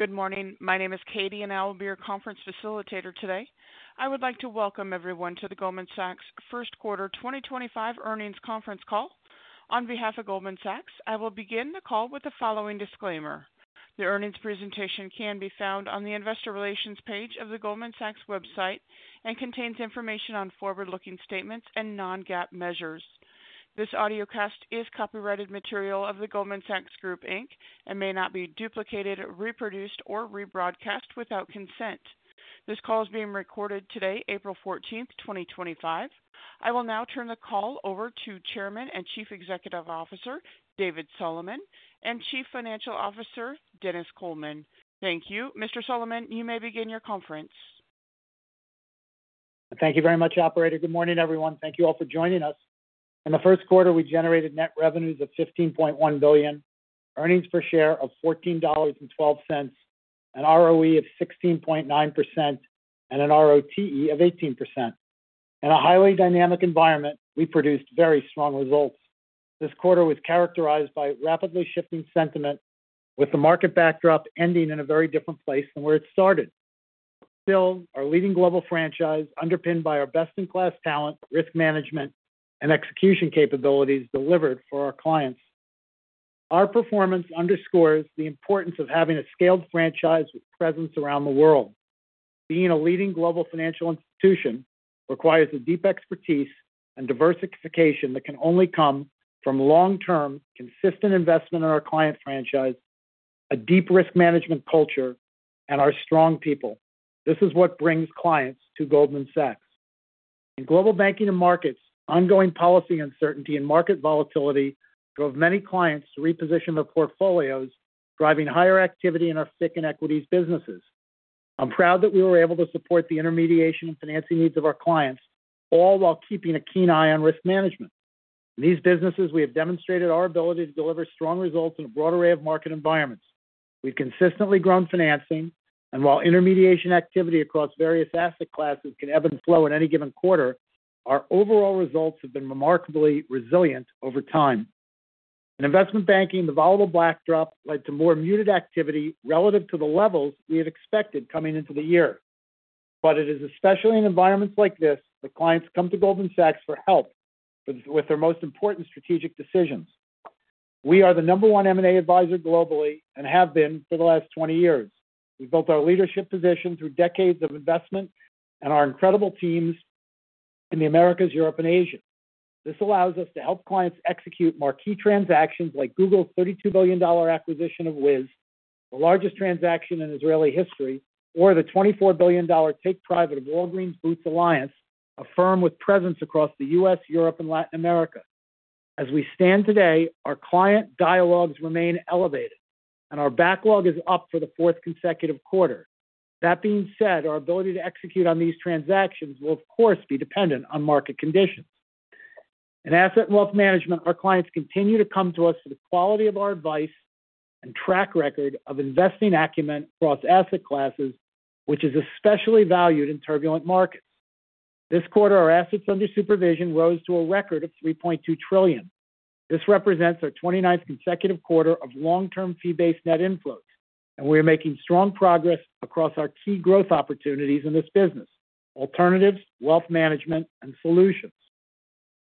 Good morning. My name is Katie, and I will be your conference facilitator today. I would like to welcome everyone to the Goldman Sachs First Quarter 2025 Earnings Conference Call. On behalf of Goldman Sachs, I will begin the call with the following disclaimer. The earnings presentation can be found on the Investor Relations page of the Goldman Sachs website and contains information on forward-looking statements and non-GAAP measures. This audio cast is copyrighted material of the Goldman Sachs Group Inc and may not be duplicated, reproduced, or rebroadcast without consent. This call is being recorded today, April 14th, 2025. I will now turn the call over to Chairman and Chief Executive Officer David Solomon and Chief Financial Officer Dennis Coleman. Thank you. Mr. Solomon, you may begin your conference. Thank you very much, Operator. Good morning, everyone. Thank you all for joining us. In the first quarter, we generated net revenues of $15.1 billion, earnings per share of $14.12, an ROE of 16.9%, and an ROTE of 18%. In a highly dynamic environment, we produced very strong results. This quarter was characterized by rapidly shifting sentiment, with the market backdrop ending in a very different place than where it started. Still, our leading global franchise is underpinned by our best-in-class talent, risk management, and execution capabilities delivered for our clients. Our performance underscores the importance of having a scaled franchise with presence around the world. Being a leading global financial institution requires a deep expertise and diversification that can only come from long-term, consistent investment in our client franchise, a deep risk management culture, and our strong people. This is what brings clients to Goldman Sachs. In global banking and markets, ongoing policy uncertainty and market volatility drove many clients to reposition their portfolios, driving higher activity in our FICC and equities businesses. I'm proud that we were able to support the intermediation and financing needs of our clients, all while keeping a keen eye on risk management. In these businesses, we have demonstrated our ability to deliver strong results in a broad array of market environments. We've consistently grown financing, and while intermediation activity across various asset classes can ebb and flow in any given quarter, our overall results have been remarkably resilient over time. In investment banking, the volatile backdrop led to more muted activity relative to the levels we had expected coming into the year. It is especially in environments like this that clients come to Goldman Sachs for help with their most important strategic decisions. We are the number one M&A advisor globally and have been for the last 20 years. We've built our leadership position through decades of investment and our incredible teams in the Americas, Europe, and Asia. This allows us to help clients execute more key transactions like Google's $32 billion acquisition of Wiz, the largest transaction in Israeli history, or the $24 billion take-private of Walgreens Boots Alliance, a firm with presence across the U.S., Europe, and Latin America. As we stand today, our client dialogues remain elevated, and our backlog is up for the fourth consecutive quarter. That being said, our ability to execute on these transactions will, of course, be dependent on market conditions. In asset and wealth management, our clients continue to come to us for the quality of our advice and track record of investing acumen across asset classes, which is especially valued in turbulent markets. This quarter, our assets under supervision rose to a record of $3.2 trillion. This represents our 29th consecutive quarter of long-term fee-based net inflows, and we are making strong progress across our key growth opportunities in this business: alternatives, wealth management, and solutions.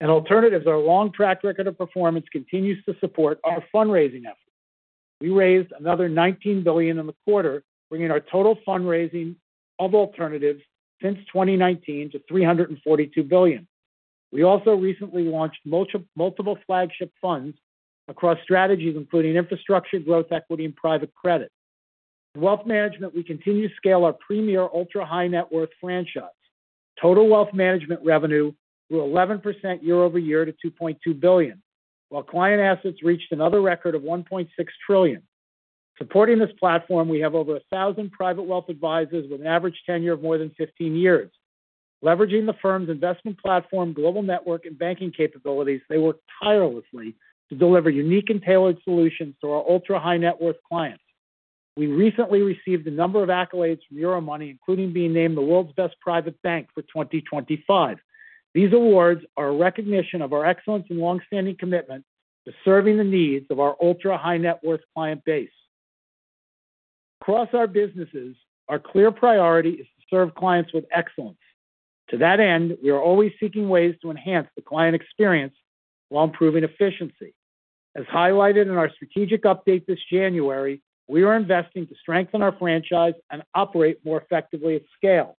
At alternatives, our long track record of performance continues to support our fundraising efforts. We raised another $19 billion in the quarter, bringing our total fundraising of alternatives since 2019 to $342 billion. We also recently launched multiple flagship funds across strategies including infrastructure, growth equity, and private credit. In wealth management, we continue to scale our premier ultra-high net worth franchise. Total wealth management revenue grew 11% year-over-year to $2.2 billion, while client assets reached another record of $1.6 trillion. Supporting this platform, we have over 1,000 private wealth advisors with an average tenure of more than 15 years. Leveraging the firm's investment platform, global network, and banking capabilities, they work tirelessly to deliver unique and tailored solutions to our ultra-high net worth clients. We recently received a number of accolades from Euromoney, including being named the world's best private bank for 2025. These awards are a recognition of our excellence and long-standing commitment to serving the needs of our ultra-high net worth client base. Across our businesses, our clear priority is to serve clients with excellence. To that end, we are always seeking ways to enhance the client experience while improving efficiency. As highlighted in our strategic update this January, we are investing to strengthen our franchise and operate more effectively at scale.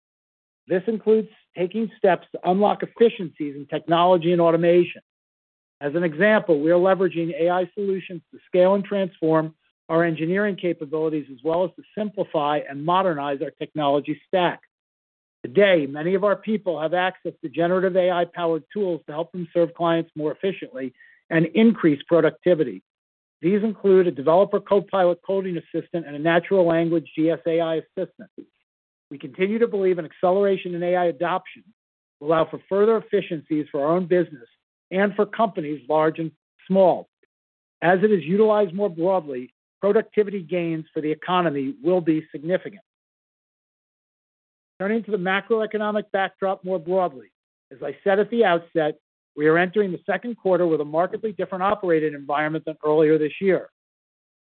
This includes taking steps to unlock efficiencies in technology and automation. As an example, we are leveraging AI solutions to scale and transform our engineering capabilities, as well as to simplify and modernize our technology stack. Today, many of our people have access to generative AI-powered tools to help them serve clients more efficiently and increase productivity. These include a developer copilot coding assistant and a natural language GSAI assistant. We continue to believe in acceleration in AI adoption to allow for further efficiencies for our own business and for companies large and small. As it is utilized more broadly, productivity gains for the economy will be significant. Turning to the macroeconomic backdrop more broadly, as I said at the outset, we are entering the second quarter with a markedly different operating environment than earlier this year.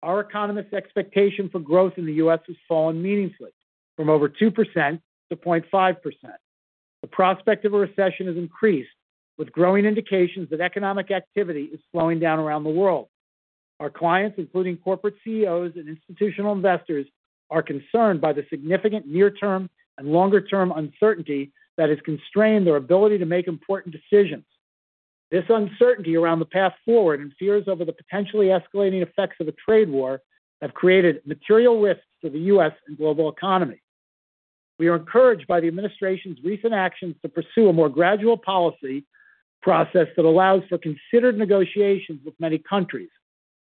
Our economist's expectation for growth in the U.S. has fallen meaningfully from over 2% to 0.5%. The prospect of a recession has increased, with growing indications that economic activity is slowing down around the world. Our clients, including corporate CEOs and institutional investors, are concerned by the significant near-term and longer-term uncertainty that has constrained their ability to make important decisions. This uncertainty around the path forward and fears over the potentially escalating effects of a trade war have created material risks to the U.S. and global economy. We are encouraged by the administration's recent actions to pursue a more gradual policy process that allows for considered negotiations with many countries.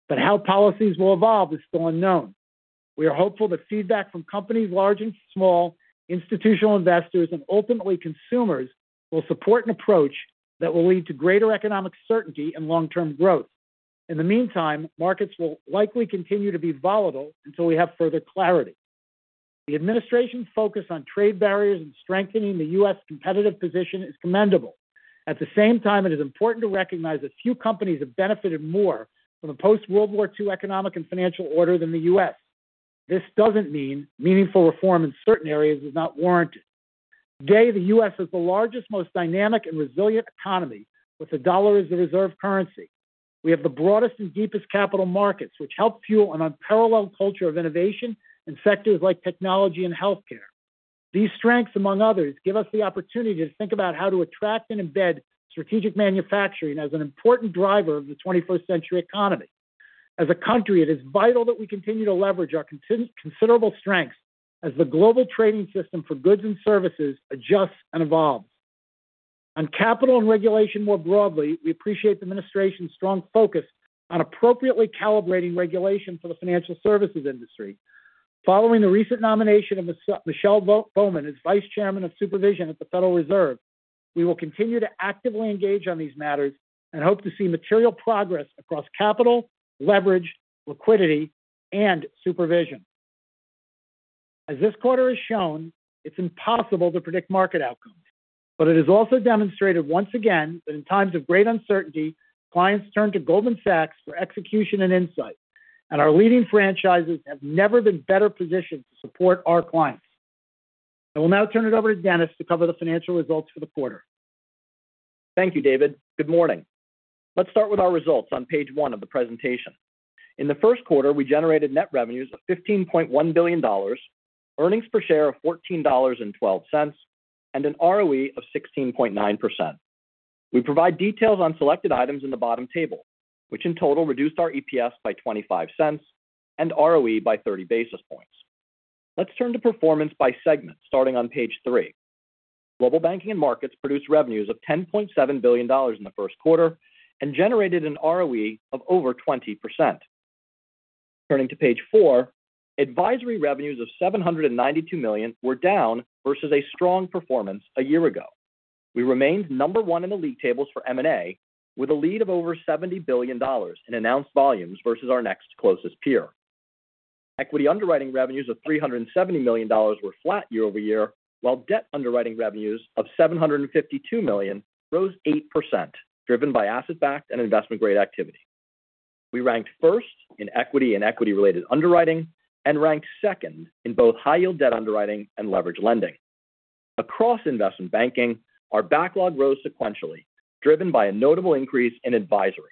How policies will evolve is still unknown. We are hopeful that feedback from companies large and small, institutional investors, and ultimately consumers will support an approach that will lead to greater economic certainty and long-term growth. In the meantime, markets will likely continue to be volatile until we have further clarity. The administration's focus on trade barriers and strengthening the U.S. competitive position is commendable. At the same time, it is important to recognize that few companies have benefited more from the post-World War II economic and financial order than the U.S. This doesn't mean meaningful reform in certain areas is not warranted. Today, the U.S. is the largest, most dynamic, and resilient economy, with the dollar as the reserve currency. We have the broadest and deepest capital markets, which help fuel an unparalleled culture of innovation in sectors like technology and healthcare. These strengths, among others, give us the opportunity to think about how to attract and embed strategic manufacturing as an important driver of the 21st-century economy. As a country, it is vital that we continue to leverage our considerable strengths as the global trading system for goods and services adjusts and evolves. On capital and regulation more broadly, we appreciate the administration's strong focus on appropriately calibrating regulation for the financial services industry. Following the recent nomination of Michelle Bowman as Vice Chairman of Supervision at the Federal Reserve, we will continue to actively engage on these matters and hope to see material progress across capital, leverage, liquidity, and supervision. As this quarter has shown, it's impossible to predict market outcomes, but it has also demonstrated once again that in times of great uncertainty, clients turn to Goldman Sachs for execution and insight, and our leading franchises have never been better positioned to support our clients. I will now turn it over to Dennis to cover the financial results for the quarter. Thank you, David. Good morning. Let's start with our results on page one of the presentation. In the first quarter, we generated net revenues of $15.1 billion, earnings per share of $14.12, and an ROE of 16.9%. We provide details on selected items in the bottom table, which in total reduced our EPS by $0.25 and ROE by 30 basis points. Let's turn to performance by segment starting on page three. Global banking and markets produced revenues of $10.7 billion in the first quarter and generated an ROE of over 20%. Turning to page four, advisory revenues of $792 million were down versus a strong performance a year ago. We remained number one in the league tables for M&A, with a lead of over $70 billion in announced volumes versus our next closest peer. Equity underwriting revenues of $370 million were flat year-over-year, while debt underwriting revenues of $752 million rose 8%, driven by asset-backed and investment-grade activity. We ranked first in equity and equity-related underwriting and ranked second in both high-yield debt underwriting and leverage lending. Across investment banking, our backlog rose sequentially, driven by a notable increase in advisory.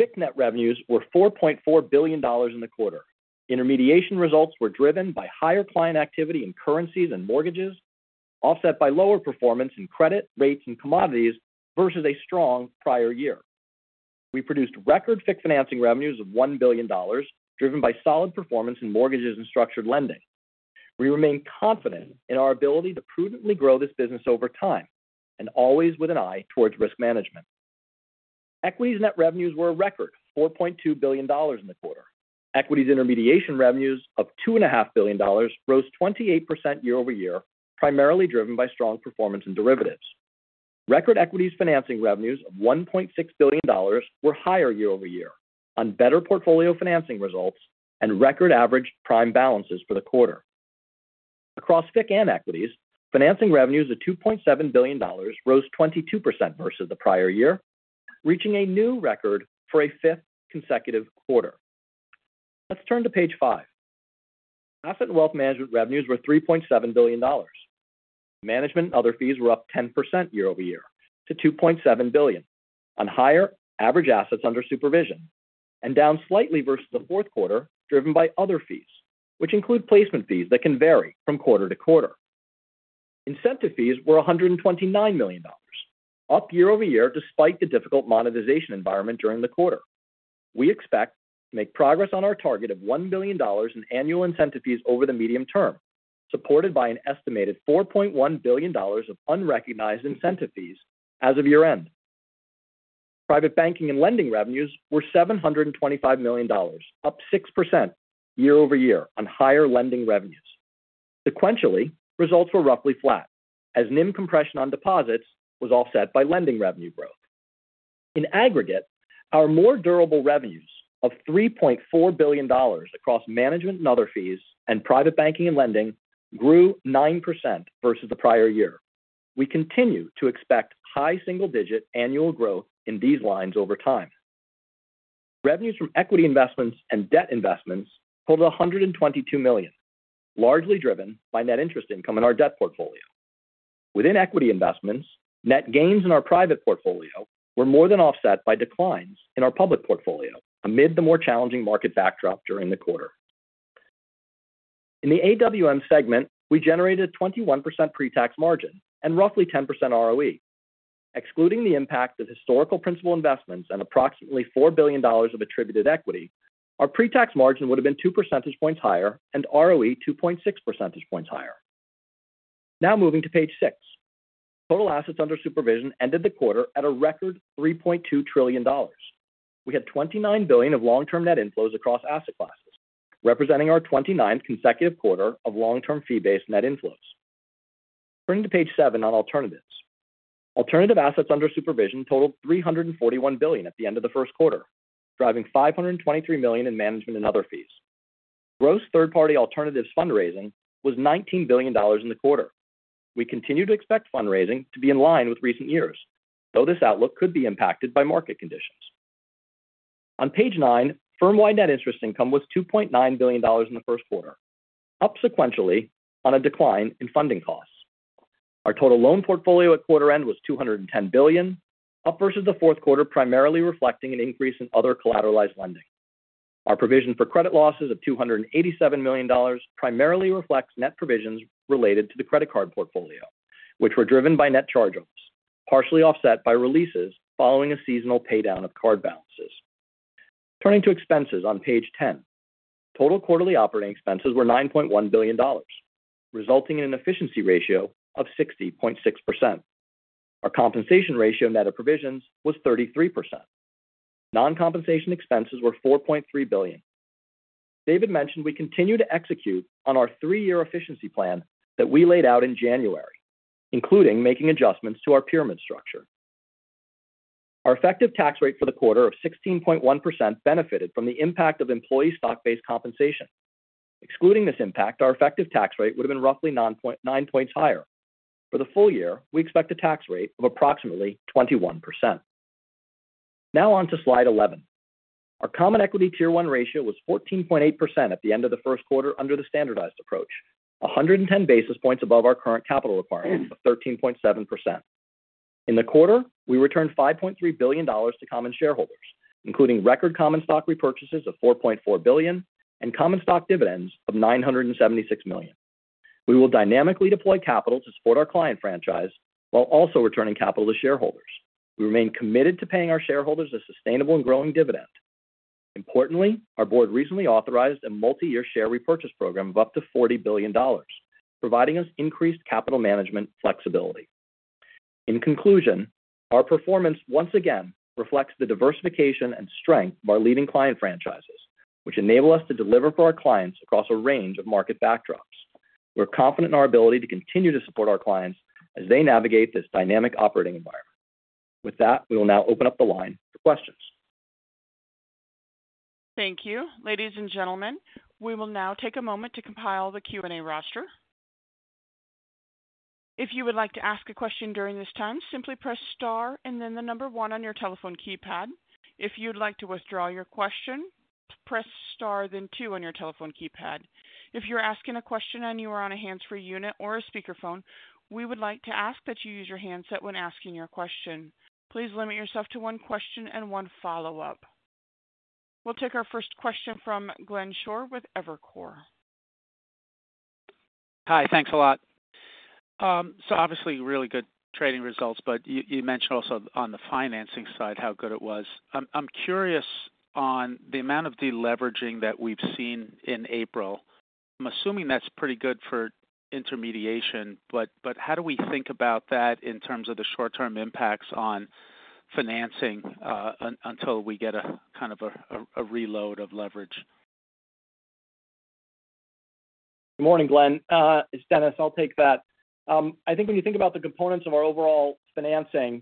FICC net revenues were $4.4 billion in the quarter. Intermediation results were driven by higher client activity in currencies and mortgages, offset by lower performance in credit, rates, and commodities versus a strong prior year. We produced record FICC financing revenues of $1 billion, driven by solid performance in mortgages and structured lending. We remain confident in our ability to prudently grow this business over time and always with an eye towards risk management. Equities net revenues were a record of $4.2 billion in the quarter. Equities intermediation revenues of $2.5 billion rose 28% year-over-year, primarily driven by strong performance in derivatives. Record equities financing revenues of $1.6 billion were higher year-over-year on better portfolio financing results and record average prime balances for the quarter. Across FICC and equities, financing revenues of $2.7 billion rose 22% versus the prior year, reaching a new record for a fifth consecutive quarter. Let's turn to page five. Asset and wealth management revenues were $3.7 billion. Management and other fees were up 10% year-over-year to $2.7 billion on higher average assets under supervision and down slightly versus the fourth quarter, driven by other fees, which include placement fees that can vary from quarter to quarter. Incentive fees were $129 million, up year-over-year despite the difficult monetization environment during the quarter. We expect to make progress on our target of $1 billion in annual incentive fees over the medium term, supported by an estimated $4.1 billion of unrecognized incentive fees as of year-end. Private banking and lending revenues were $725 million, up 6% year-over-year on higher lending revenues. Sequentially, results were roughly flat, as NIM compression on deposits was offset by lending revenue growth. In aggregate, our more durable revenues of $3.4 billion across management and other fees and private banking and lending grew 9% versus the prior year. We continue to expect high single-digit annual growth in these lines over time. Revenues from equity investments and debt investments totaled $122 million, largely driven by net interest income in our debt portfolio. Within equity investments, net gains in our private portfolio were more than offset by declines in our public portfolio amid the more challenging market backdrop during the quarter. In the AWM segment, we generated a 21% pre-tax margin and roughly 10% ROE. Excluding the impact of historical principal investments and approximately $4 billion of attributed equity, our pre-tax margin would have been 2 percentage points higher and ROE 2.6 percentage points higher. Now moving to page six. Total assets under supervision ended the quarter at a record $3.2 trillion. We had $29 billion of long-term net inflows across asset classes, representing our 29th consecutive quarter of long-term fee-based net inflows. Turning to page seven on alternatives. Alternative assets under supervision totaled $341 billion at the end of the first quarter, driving $523 million in management and other fees. Gross third-party alternatives fundraising was $19 billion in the quarter. We continue to expect fundraising to be in line with recent years, though this outlook could be impacted by market conditions. On page nine, firm-wide net interest income was $2.9 billion in the first quarter, up sequentially on a decline in funding costs. Our total loan portfolio at quarter-end was $210 billion, up versus the fourth quarter, primarily reflecting an increase in other collateralized lending. Our provision for credit losses of $287 million primarily reflects net provisions related to the credit card portfolio, which were driven by net charge-offs, partially offset by releases following a seasonal paydown of card balances. Turning to expenses on page 10, total quarterly operating expenses were $9.1 billion, resulting in an efficiency ratio of 60.6%. Our compensation ratio net of provisions was 33%. Non-compensation expenses were $4.3 billion. David mentioned we continue to execute on our three-year efficiency plan that we laid out in January, including making adjustments to our pyramid structure. Our effective tax rate for the quarter of 16.1% benefited from the impact of employee stock-based compensation. Excluding this impact, our effective tax rate would have been roughly 9 percentage points higher. For the full year, we expect a tax rate of approximately 21%. Now on to slide 11. Our common equity tier one ratio was 14.8% at the end of the first quarter under the standardized approach, 110 basis points above our current capital requirements of 13.7%. In the quarter, we returned $5.3 billion to common shareholders, including record common stock repurchases of $4.4 billion and common stock dividends of $976 million. We will dynamically deploy capital to support our client franchise while also returning capital to shareholders. We remain committed to paying our shareholders a sustainable and growing dividend. Importantly, our board recently authorized a multi-year share repurchase program of up to $40 billion, providing us increased capital management flexibility. In conclusion, our performance once again reflects the diversification and strength of our leading client franchises, which enable us to deliver for our clients across a range of market backdrops. We're confident in our ability to continue to support our clients as they navigate this dynamic operating environment. With that, we will now open up the line for questions. Thank you. Ladies and gentlemen, we will now take a moment to compile the Q&A roster. If you would like to ask a question during this time, simply press star and then the number one on your telephone keypad. If you'd like to withdraw your question, press star, then two on your telephone keypad. If you're asking a question and you are on a hands-free unit or a speakerphone, we would like to ask that you use your handset when asking your question. Please limit yourself to one question and one follow-up. We'll take our first question from Glenn Shore with Evercore. Hi, thanks a lot. Obviously, really good trading results, but you mentioned also on the financing side how good it was. I'm curious on the amount of deleveraging that we've seen in April. I'm assuming that's pretty good for intermediation, but how do we think about that in terms of the short-term impacts on financing until we get a kind of a reload of leverage? Good morning, Glenn. It's Dennis. I'll take that. I think when you think about the components of our overall financing,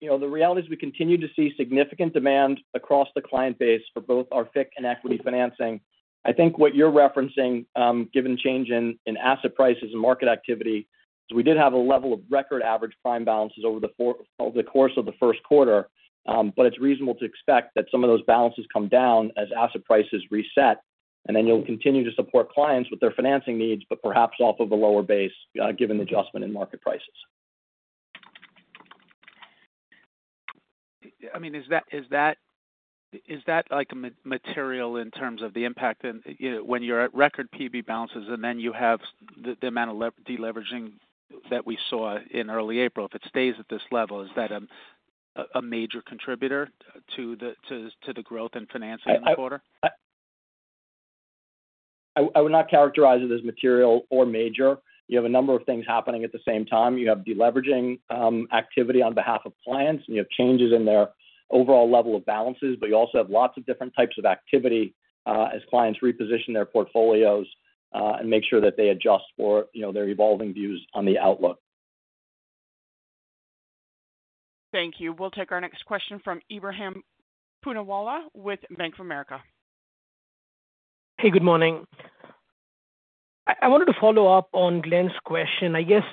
the reality is we continue to see significant demand across the client base for both our FICC and equity financing. I think what you're referencing, given change in asset prices and market activity, is we did have a level of record average prime balances over the course of the first quarter, but it's reasonable to expect that some of those balances come down as asset prices reset, and then you'll continue to support clients with their financing needs, but perhaps off of a lower base, given the adjustment in market prices. I mean, is that material in terms of the impact when you're at record PB balances and then you have the amount of deleveraging that we saw in early April? If it stays at this level, is that a major contributor to the growth in financing in the quarter? I would not characterize it as material or major. You have a number of things happening at the same time. You have deleveraging activity on behalf of clients, and you have changes in their overall level of balances, but you also have lots of different types of activity as clients reposition their portfolios and make sure that they adjust for their evolving views on the outlook. Thank you. We'll take our next question from Ebrahim Poonawala with Bank of America. Hey, good morning. I wanted to follow up on Glenn's question. I guess,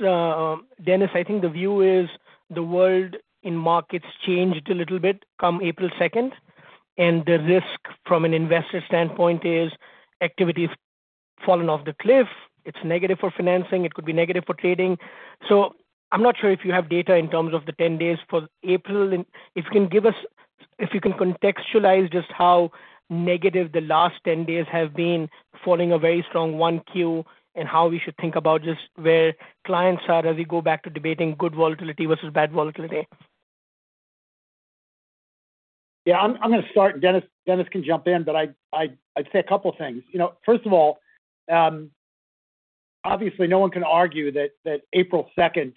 Dennis, I think the view is the world in markets changed a little bit come April 2nd, and the risk from an investor standpoint is activity has fallen off the cliff. It's negative for financing. It could be negative for trading. I'm not sure if you have data in terms of the 10 days for April. If you can give us, if you can contextualize just how negative the last 10 days have been following a very strong one Q and how we should think about just where clients are as we go back to debating good volatility versus bad volatility. Yeah, I'm going to start. Dennis can jump in, but I'd say a couple of things. First of all, obviously, no one can argue that April 2nd,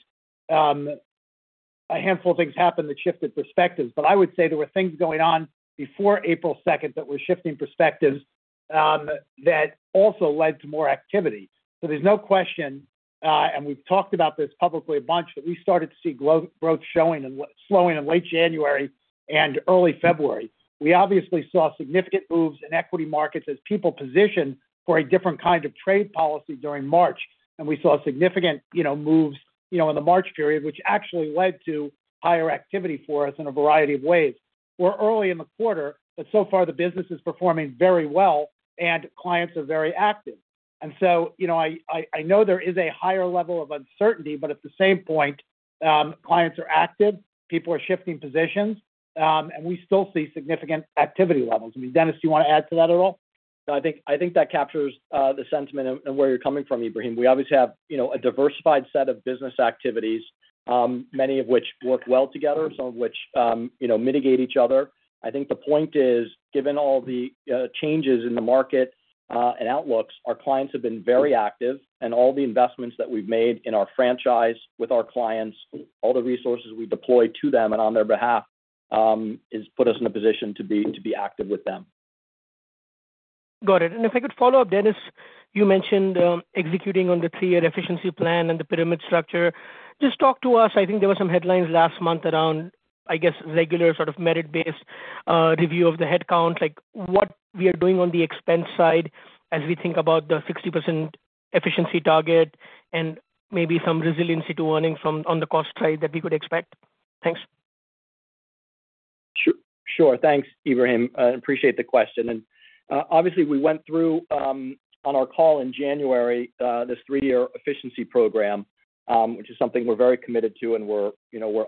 a handful of things happened that shifted perspectives, but I would say there were things going on before April 2nd that were shifting perspectives that also led to more activity. There's no question, and we've talked about this publicly a bunch, that we started to see growth showing and slowing in late January and early February. We obviously saw significant moves in equity markets as people positioned for a different kind of trade policy during March, and we saw significant moves in the March period, which actually led to higher activity for us in a variety of ways. We're early in the quarter, but so far the business is performing very well, and clients are very active. I know there is a higher level of uncertainty, but at the same point, clients are active, people are shifting positions, and we still see significant activity levels. I mean, Dennis, do you want to add to that at all? I think that captures the sentiment and where you're coming from, Ibrahim. We obviously have a diversified set of business activities, many of which work well together, some of which mitigate each other. I think the point is, given all the changes in the market and outlooks, our clients have been very active, and all the investments that we've made in our franchise with our clients, all the resources we deploy to them and on their behalf, have put us in a position to be active with them. Got it. If I could follow up, Dennis, you mentioned executing on the three-year efficiency plan and the pyramid structure. Just talk to us. I think there were some headlines last month around, I guess, regular sort of merit-based review of the headcount, like what we are doing on the expense side as we think about the 60% efficiency target and maybe some resiliency to earnings on the cost side that we could expect. Thanks. Sure. Thanks, Ibrahim. I appreciate the question. Obviously, we went through on our call in January this three-year efficiency program, which is something we're very committed to, and we're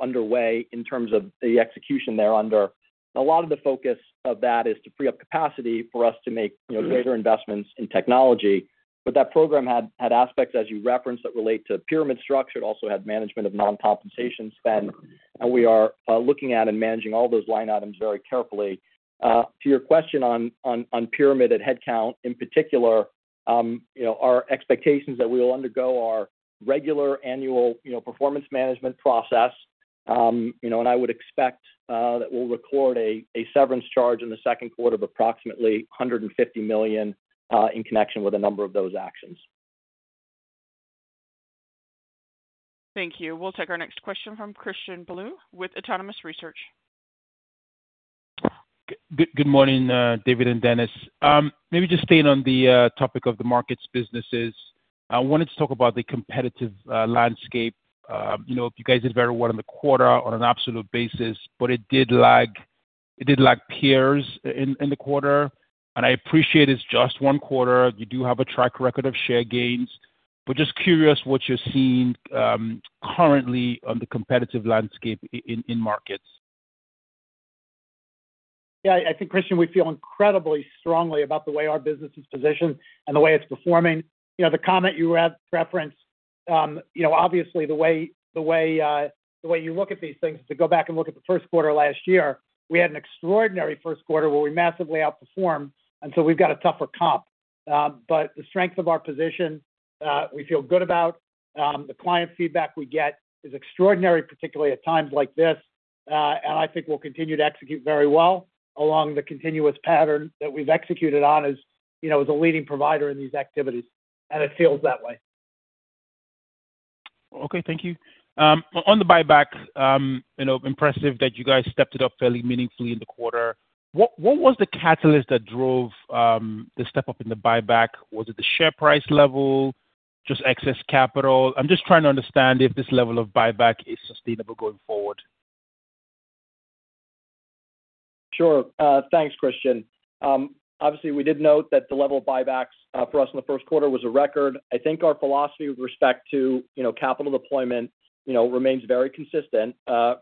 underway in terms of the execution thereunder. A lot of the focus of that is to free up capacity for us to make greater investments in technology. That program had aspects, as you referenced, that relate to pyramid structure. It also had management of non-compensation spend, and we are looking at and managing all those line items very carefully. To your question on pyramid and headcount in particular, our expectation is that we will undergo our regular annual performance management process, and I would expect that we'll record a severance charge in the second quarter of approximately $150 million in connection with a number of those actions. Thank you. We'll take our next question from Christian Bolu with Autonomous Research. Good morning, David and Dennis. Maybe just staying on the topic of the markets, businesses, I wanted to talk about the competitive landscape. You guys did very well in the quarter on an absolute basis, but it did lack peers in the quarter, and I appreciate it's just one quarter. You do have a track record of share gains, but just curious what you're seeing currently on the competitive landscape in markets. Yeah, I think, Christian, we feel incredibly strongly about the way our business is positioned and the way it's performing. The comment you referenced, obviously, the way you look at these things is to go back and look at the first quarter last year. We had an extraordinary first quarter where we massively outperformed, and so we've got a tougher comp. The strength of our position, we feel good about. The client feedback we get is extraordinary, particularly at times like this, and I think we'll continue to execute very well along the continuous pattern that we've executed on as a leading provider in these activities, and it feels that way. Okay, thank you. On the buyback, impressive that you guys stepped it up fairly meaningfully in the quarter. What was the catalyst that drove the step up in the buyback? Was it the share price level, just excess capital? I'm just trying to understand if this level of buyback is sustainable going forward. Sure. Thanks, Christian. Obviously, we did note that the level of buybacks for us in the first quarter was a record. I think our philosophy with respect to capital deployment remains very consistent.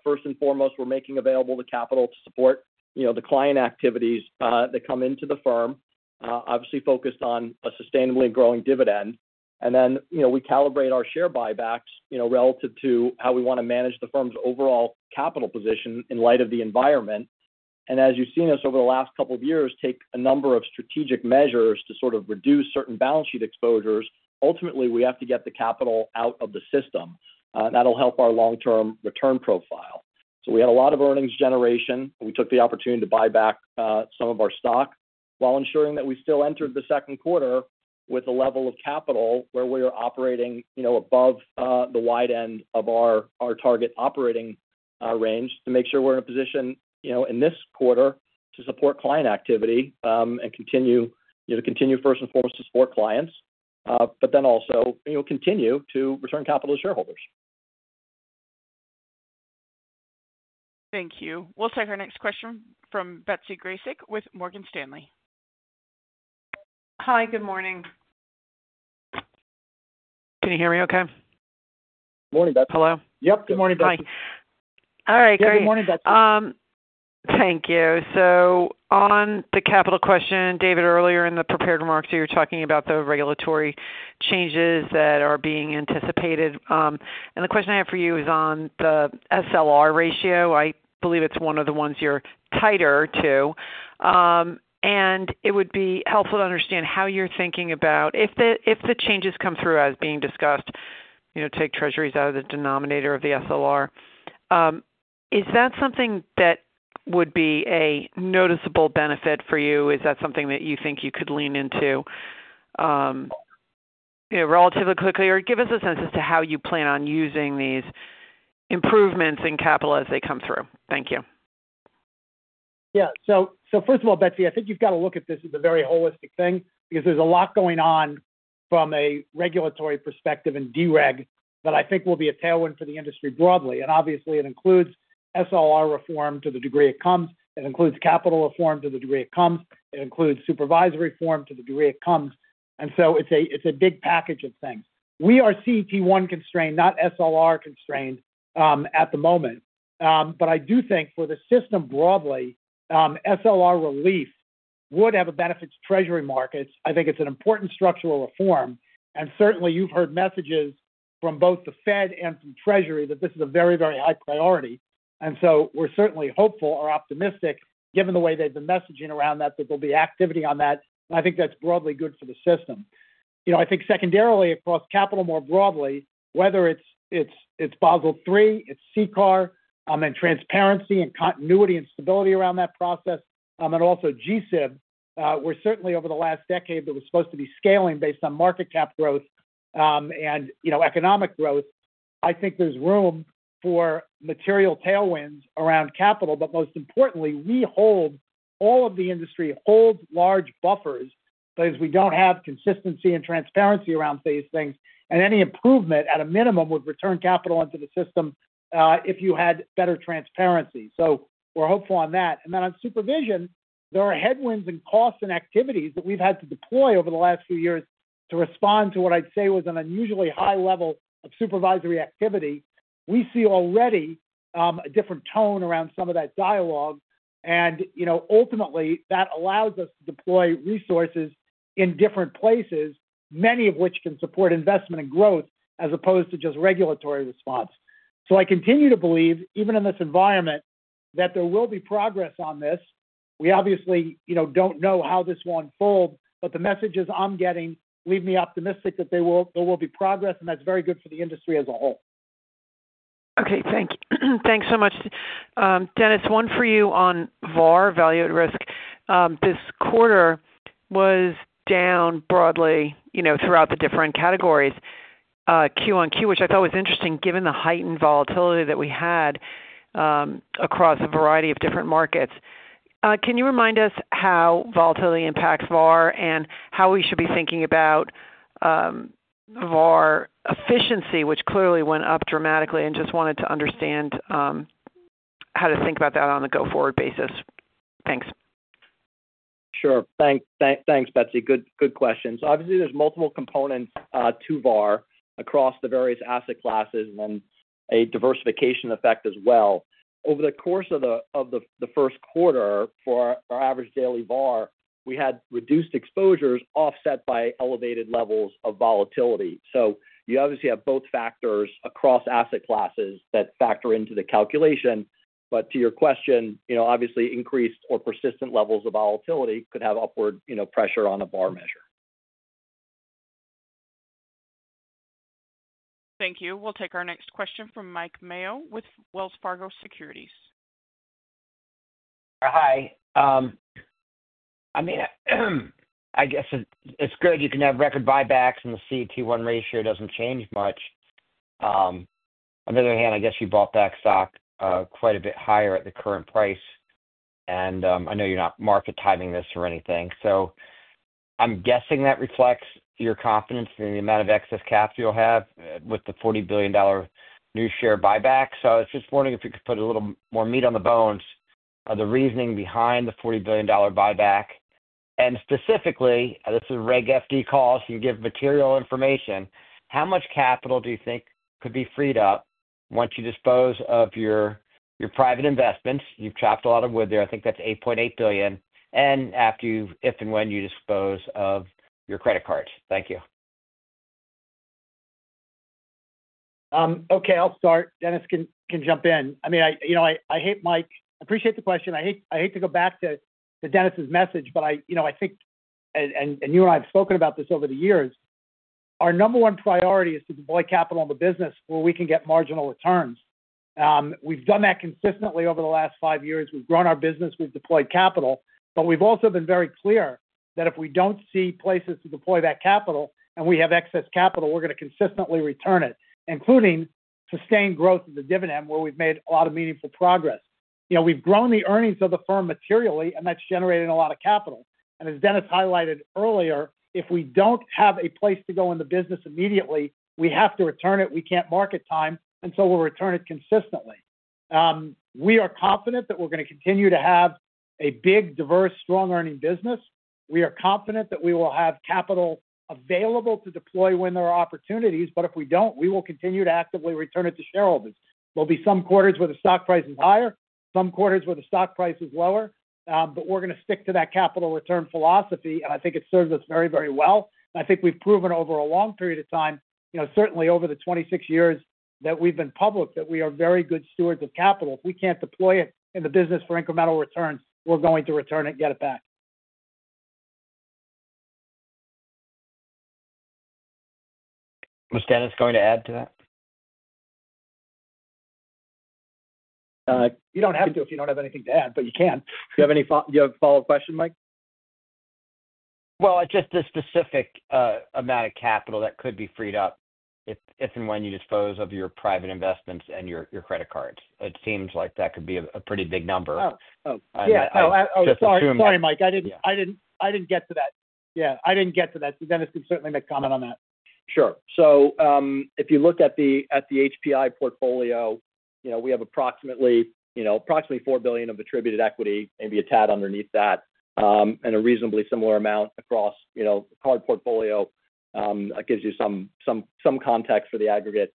First and foremost, we're making available the capital to support the client activities that come into the firm, obviously focused on a sustainably growing dividend. We calibrate our share buybacks relative to how we want to manage the firm's overall capital position in light of the environment. As you've seen us over the last couple of years take a number of strategic measures to sort of reduce certain balance sheet exposures, ultimately, we have to get the capital out of the system. That'll help our long-term return profile. We had a lot of earnings generation. We took the opportunity to buy back some of our stock while ensuring that we still entered the second quarter with a level of capital where we are operating above the wide end of our target operating range to make sure we're in a position in this quarter to support client activity and continue first and foremost to support clients, but then also continue to return capital to shareholders. Thank you. We'll take our next question from Betsy Graseck with Morgan Stanley. Hi, good morning. Can you hear me okay? Good morning, Betsy. Hello? Yep, good morning, Betsy. Hi. All right, great. Good morning, Betsy. Thank you. On the capital question, David, earlier in the prepared remarks, you were talking about the regulatory changes that are being anticipated. The question I have for you is on the SLR ratio. I believe it's one of the ones you're tighter to. It would be helpful to understand how you're thinking about if the changes come through as being discussed, take treasuries out of the denominator of the SLR. Is that something that would be a noticeable benefit for you? Is that something that you think you could lean into relatively quickly? Give us a sense as to how you plan on using these improvements in capital as they come through. Thank you. Yeah. First of all, Betsy, I think you've got to look at this as a very holistic thing because there's a lot going on from a regulatory perspective and DREG that I think will be a tailwind for the industry broadly. Obviously, it includes SLR reform to the degree it comes. It includes capital reform to the degree it comes. It includes supervisory reform to the degree it comes. It's a big package of things. We are CET1 constrained, not SLR constrained at the moment. I do think for the system broadly, SLR relief would have a benefit to treasury markets. I think it's an important structural reform. Certainly, you've heard messages from both the Fed and from Treasury that this is a very, very high priority. We're certainly hopeful or optimistic, given the way they've been messaging around that, that there'll be activity on that. I think that's broadly good for the system. I think secondarily, across capital more broadly, whether it's Basel III, it's CECAR, and transparency and continuity and stability around that process, and also GSIB, where certainly over the last decade that was supposed to be scaling based on market cap growth and economic growth, I think there's room for material tailwinds around capital. Most importantly, we hold, all of the industry holds, large buffers, but as we don't have consistency and transparency around these things, any improvement at a minimum would return capital into the system if you had better transparency. We're hopeful on that. On supervision, there are headwinds and costs and activities that we've had to deploy over the last few years to respond to what I'd say was an unusually high level of supervisory activity. We see already a different tone around some of that dialogue. Ultimately, that allows us to deploy resources in different places, many of which can support investment and growth as opposed to just regulatory response. I continue to believe, even in this environment, that there will be progress on this. We obviously don't know how this will unfold, but the messages I'm getting leave me optimistic that there will be progress, and that's very good for the industry as a whole. Okay, thank you. Thanks so much. Dennis, one for you on VaR, Value at Risk. This quarter was down broadly throughout the different categories, Q on Q, which I thought was interesting given the heightened volatility that we had across a variety of different markets. Can you remind us how volatility impacts VaR and how we should be thinking about VaR efficiency, which clearly went up dramatically? I just wanted to understand how to think about that on a go-forward basis. Thanks. Sure. Thanks, Betsy. Good questions. Obviously, there's multiple components to VaR across the various asset classes and then a diversification effect as well. Over the course of the first quarter for our average daily VaR, we had reduced exposures offset by elevated levels of volatility. You obviously have both factors across asset classes that factor into the calculation. To your question, obviously, increased or persistent levels of volatility could have upward pressure on a VaR measure. Thank you. We'll take our next question from Mike Mayo with Wells Fargo Securities. Hi. I mean, I guess it's good you can have record buybacks and the CET1 ratio doesn't change much. On the other hand, I guess you bought back stock quite a bit higher at the current price. I know you're not market timing this or anything. I'm guessing that reflects your confidence in the amount of excess capital you'll have with the $40 billion new share buyback. I was just wondering if you could put a little more meat on the bones of the reasoning behind the $40 billion buyback. Specifically, this is a Reg FD call. You can give material information. How much capital do you think could be freed up once you dispose of your private investments? You've chopped a lot of wood there. I think that's $8.8 billion. If and when you dispose of your credit cards. Thank you. Okay, I'll start. Dennis can jump in. I mean, I appreciate the question. I hate to go back to Dennis's message, but I think, and you and I have spoken about this over the years, our number one priority is to deploy capital in the business where we can get marginal returns. We've done that consistently over the last five years. We've grown our business. We've deployed capital. We've also been very clear that if we don't see places to deploy that capital and we have excess capital, we're going to consistently return it, including sustained growth of the dividend where we've made a lot of meaningful progress. We've grown the earnings of the firm materially, and that's generated a lot of capital. As Dennis highlighted earlier, if we don't have a place to go in the business immediately, we have to return it. We can't market time. And so we'll return it consistently. We are confident that we're going to continue to have a big, diverse, strong earning business. We are confident that we will have capital available to deploy when there are opportunities. If we don't, we will continue to actively return it to shareholders. There'll be some quarters where the stock price is higher, some quarters where the stock price is lower, but we're going to stick to that capital return philosophy. I think it serves us very, very well. I think we've proven over a long period of time, certainly over the 26 years that we've been public, that we are very good stewards of capital. If we can't deploy it in the business for incremental returns, we're going to return it and get it back. Was Dennis going to add to that? You don't have to if you don't have anything to add, but you can. Do you have a follow-up question, Mike? Just the specific amount of capital that could be freed up if and when you dispose of your private investments and your credit cards. It seems like that could be a pretty big number. Oh, sorry. Sorry, Mike. I didn't get to that. Yeah. I didn't get to that. Dennis can certainly make comment on that. Sure. If you look at the HPI portfolio, we have approximately $4 billion of attributed equity, maybe a tad underneath that, and a reasonably similar amount across the card portfolio. That gives you some context for the aggregate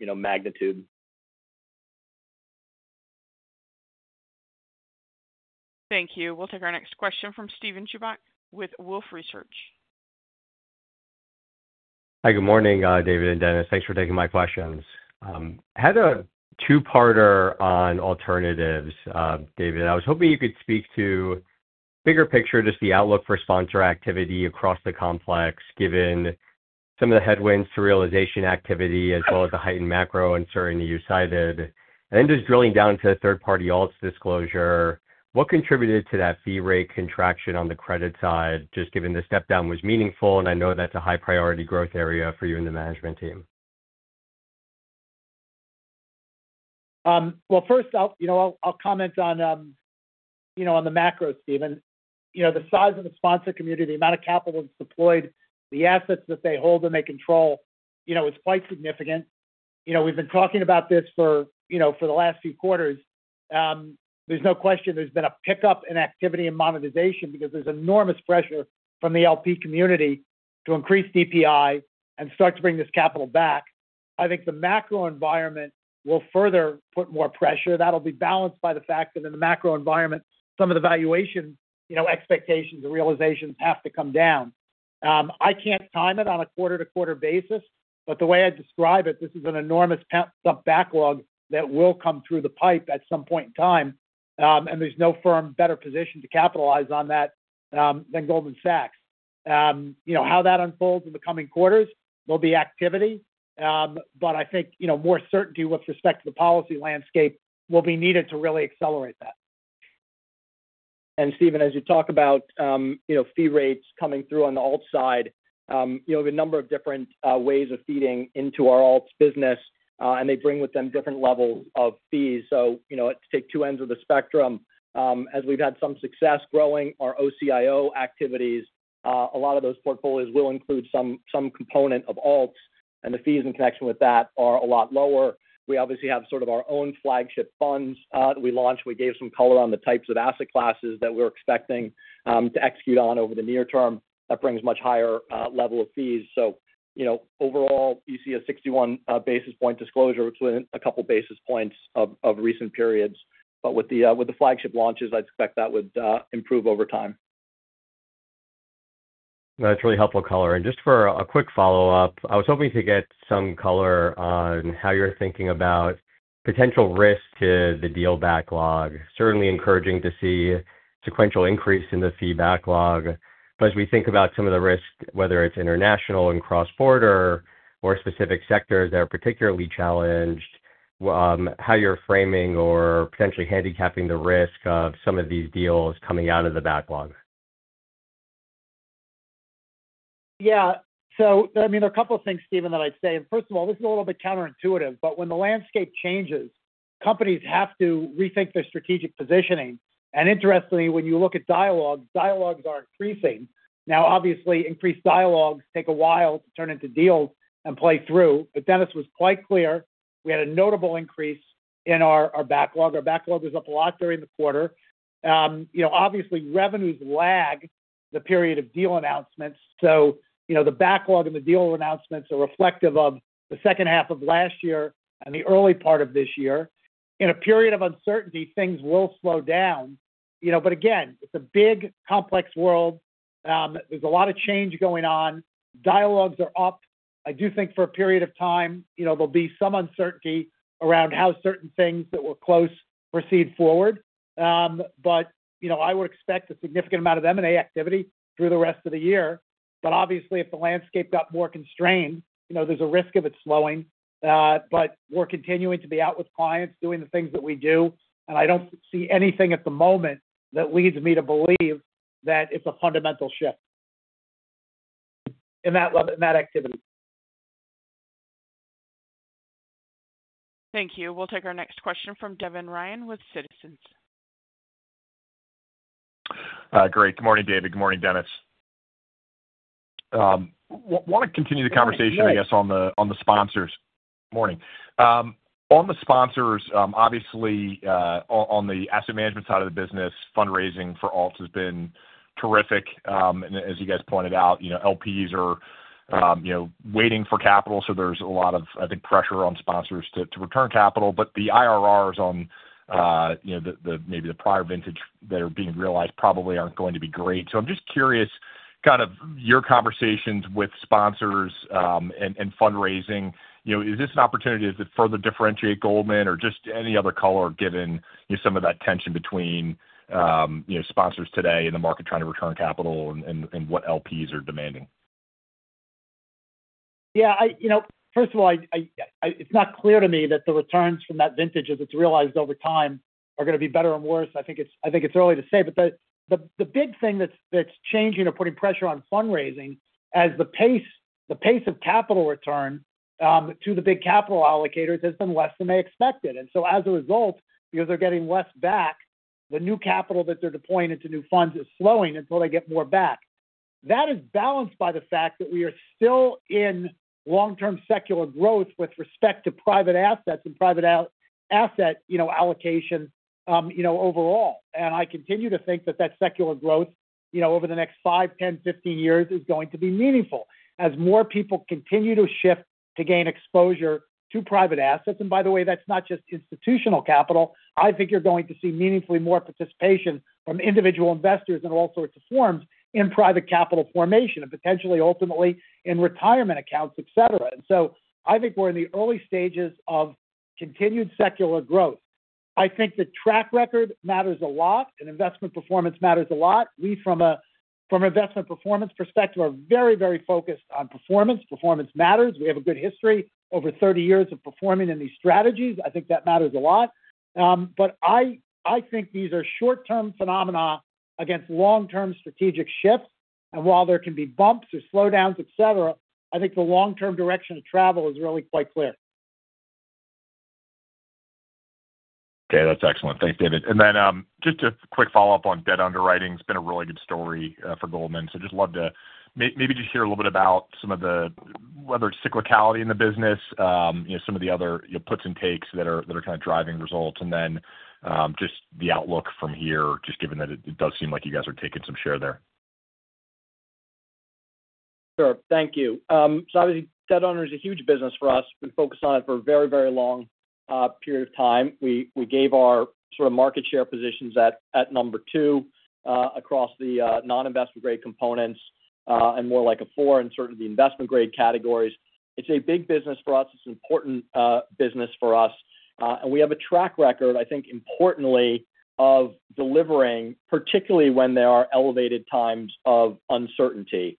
magnitude. Thank you. We'll take our next question from Steven Chuback with Wolfe Research. Hi, good morning, David and Dennis. Thanks for taking my questions. I had a two-parter on alternatives, David. I was hoping you could speak to the bigger picture, just the outlook for sponsor activity across the complex, given some of the headwinds to realization activity as well as the heightened macro uncertainty you cited. Just drilling down to third-party alts disclosure, what contributed to that fee rate contraction on the credit side, just given the step-down was meaningful? I know that's a high-priority growth area for you and the management team. First, I'll comment on the macro, Steven. The size of the sponsor community, the amount of capital that's deployed, the assets that they hold and they control, it's quite significant. We've been talking about this for the last few quarters. There's no question there's been a pickup in activity and monetization because there's enormous pressure from the LP community to increase DPI and start to bring this capital back. I think the macro environment will further put more pressure. That'll be balanced by the fact that in the macro environment, some of the valuation expectations and realizations have to come down. I can't time it on a quarter-to-quarter basis, but the way I'd describe it, this is an enormous backlog that will come through the pipe at some point in time. There's no firm better positioned to capitalize on that than Goldman Sachs. How that unfolds in the coming quarters, there will be activity. I think more certainty with respect to the policy landscape will be needed to really accelerate that. Steven, as you talk about fee rates coming through on the alts side, we have a number of different ways of feeding into our alts business, and they bring with them different levels of fees. To take two ends of the spectrum, as we have had some success growing our OCIO activities, a lot of those portfolios will include some component of alts, and the fees in connection with that are a lot lower. We obviously have sort of our own flagship funds that we launched. We gave some color on the types of asset classes that we are expecting to execute on over the near term. That brings a much higher level of fees. Overall, you see a 61 basis point disclosure between a couple of basis points of recent periods. With the flagship launches, I'd expect that would improve over time. That's really helpful, Coler. Just for a quick follow-up, I was hoping to get some color on how you're thinking about potential risk to the deal backlog. Certainly encouraging to see a sequential increase in the fee backlog. As we think about some of the risk, whether it's international and cross-border or specific sectors that are particularly challenged, how you're framing or potentially handicapping the risk of some of these deals coming out of the backlog. Yeah. I mean, there are a couple of things, Steven, that I'd say. First of all, this is a little bit counterintuitive, but when the landscape changes, companies have to rethink their strategic positioning. Interestingly, when you look at dialogues, dialogues are increasing. Obviously, increased dialogues take a while to turn into deals and play through. Dennis was quite clear. We had a notable increase in our backlog. Our backlog was up a lot during the quarter. Obviously, revenues lag the period of deal announcements. The backlog and the deal announcements are reflective of the second half of last year and the early part of this year. In a period of uncertainty, things will slow down. Again, it's a big, complex world. There's a lot of change going on. Dialogues are up. I do think for a period of time, there'll be some uncertainty around how certain things that were close proceed forward. I would expect a significant amount of M&A activity through the rest of the year. Obviously, if the landscape got more constrained, there's a risk of it slowing. We're continuing to be out with clients doing the things that we do. I don't see anything at the moment that leads me to believe that it's a fundamental shift in that activity. Thank you. We'll take our next question from Devin Ryan with Citizens. Great. Good morning, David. Good morning, Dennis. Want to continue the conversation, I guess, on the sponsors. Morning. On the sponsors, obviously, on the asset management side of the business, fundraising for alts has been terrific. As you guys pointed out, LPs are waiting for capital. There is a lot of, I think, pressure on sponsors to return capital. The IRRs on maybe the prior vintage that are being realized probably are not going to be great. I am just curious, kind of your conversations with sponsors and fundraising, is this an opportunity to further differentiate Goldman or just any other color given some of that tension between sponsors today and the market trying to return capital and what LPs are demanding? Yeah. First of all, it's not clear to me that the returns from that vintage, as it's realized over time, are going to be better or worse. I think it's early to say. The big thing that's changing or putting pressure on fundraising is the pace of capital return to the big capital allocators has been less than they expected. As a result, because they're getting less back, the new capital that they're deploying into new funds is slowing until they get more back. That is balanced by the fact that we are still in long-term secular growth with respect to private assets and private asset allocation overall. I continue to think that that secular growth over the next 5, 10, 15 years is going to be meaningful as more people continue to shift to gain exposure to private assets. By the way, that's not just institutional capital. I think you're going to see meaningfully more participation from individual investors in all sorts of forms in private capital formation and potentially, ultimately, in retirement accounts, etc. I think we're in the early stages of continued secular growth. I think the track record matters a lot, and investment performance matters a lot. We, from an investment performance perspective, are very, very focused on performance. Performance matters. We have a good history, over 30 years of performing in these strategies. I think that matters a lot. I think these are short-term phenomena against long-term strategic shifts. While there can be bumps or slowdowns, etc., I think the long-term direction of travel is really quite clear. Okay. That's excellent. Thanks, David. Just a quick follow-up on debt underwriting. It's been a really good story for Goldman. Just love to maybe just hear a little bit about some of the, whether it's cyclicality in the business, some of the other puts and takes that are kind of driving results, and then just the outlook from here, just given that it does seem like you guys are taking some share there. Sure. Thank you. Debt owners are a huge business for us. We've focused on it for a very, very long period of time. We gave our sort of market share positions at number two across the non-investment-grade components and more like a four in certain of the investment-grade categories. It's a big business for us. It's an important business for us. We have a track record, I think, importantly, of delivering, particularly when there are elevated times of uncertainty.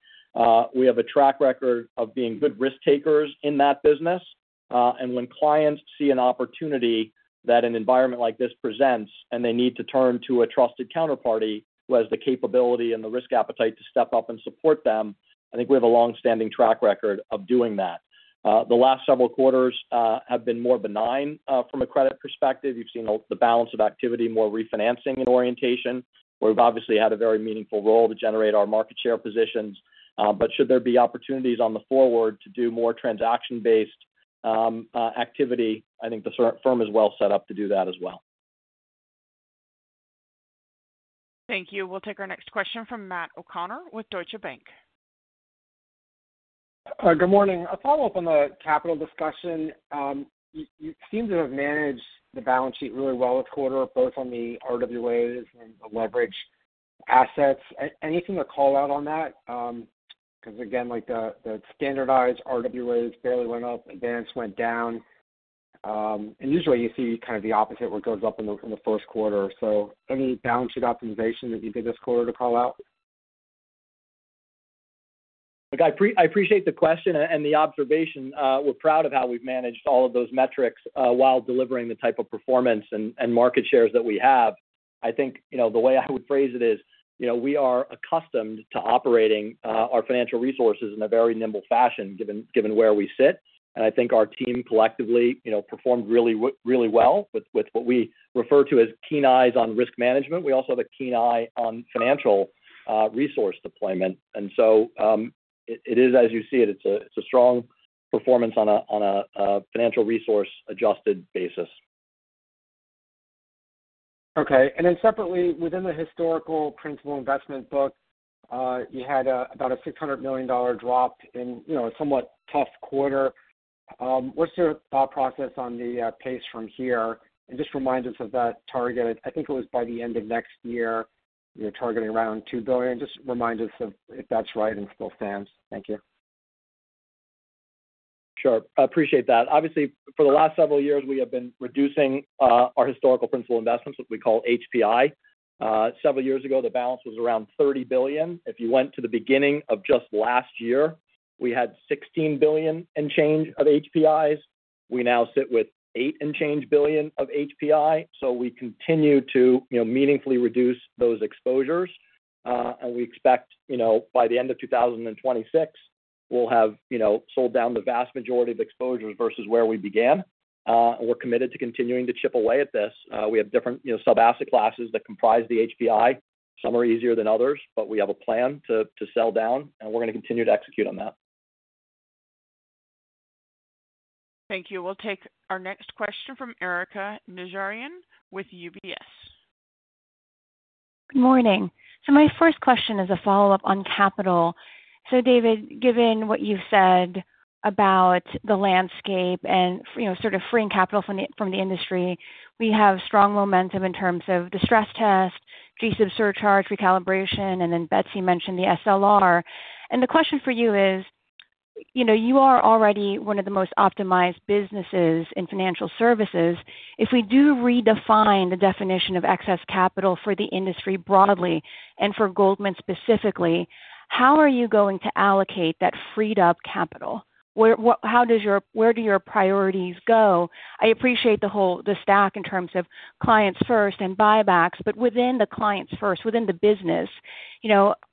We have a track record of being good risk takers in that business. When clients see an opportunity that an environment like this presents and they need to turn to a trusted counterparty who has the capability and the risk appetite to step up and support them, I think we have a long-standing track record of doing that. The last several quarters have been more benign from a credit perspective. You've seen the balance of activity, more refinancing and orientation, where we've obviously had a very meaningful role to generate our market share positions. Should there be opportunities on the forward to do more transaction-based activity, I think the firm is well set up to do that as well. Thank you. We'll take our next question from Matt O'Connor with Deutsche Bank. Good morning. A follow-up on the capital discussion. You seem to have managed the balance sheet really well this quarter, both on the RWAs and the leverage assets. Anything to call out on that? Because again, the standardized RWAs barely went up. Advance went down. Usually, you see kind of the opposite where it goes up in the first quarter. Any balance sheet optimization that you did this quarter to call out? I appreciate the question and the observation. We're proud of how we've managed all of those metrics while delivering the type of performance and market shares that we have. I think the way I would phrase it is we are accustomed to operating our financial resources in a very nimble fashion, given where we sit. I think our team collectively performed really well with what we refer to as keen eyes on risk management. We also have a keen eye on financial resource deployment. It is as you see it. It's a strong performance on a financial resource-adjusted basis. Okay. Separately, within the historical principal investment book, you had about a $600 million drop in a somewhat tough quarter. What's your thought process on the pace from here? Just remind us of that target. I think it was by the end of next year, you're targeting around $2 billion. Just remind us if that's right and still stands. Thank you. Sure. I appreciate that. Obviously, for the last several years, we have been reducing our historical principal investments, what we call HPI. Several years ago, the balance was around $30 billion. If you went to the beginning of just last year, we had $16 billion and change of HPIs. We now sit with $8 and change billion of HPI. We continue to meaningfully reduce those exposures. We expect by the end of 2026, we will have sold down the vast majority of exposures versus where we began. We are committed to continuing to chip away at this. We have different sub-asset classes that comprise the HPI. Some are easier than others, but we have a plan to sell down. We are going to continue to execute on that. Thank you. We'll take our next question from Erika Nazarian with UBS. Good morning. My first question is a follow-up on capital. David, given what you've said about the landscape and sort of freeing capital from the industry, we have strong momentum in terms of the stress test, GSIB surcharge, recalibration, and then Betsy mentioned the SLR. The question for you is, you are already one of the most optimized businesses in financial services. If we do redefine the definition of excess capital for the industry broadly and for Goldman specifically, how are you going to allocate that freed-up capital? Where do your priorities go? I appreciate the whole stack in terms of clients first and buybacks, but within the clients first, within the business,